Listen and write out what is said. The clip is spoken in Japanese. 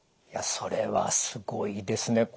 いやそれはすごいですね。